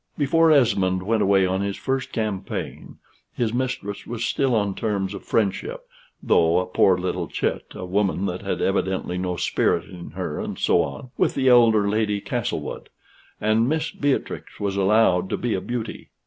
Before Esmond went away on his first campaign, his mistress was still on terms of friendship (though a poor little chit, a woman that had evidently no spirit in her, &c.) with the elder Lady Castlewood; and Mistress Beatrix was allowed to be a beauty.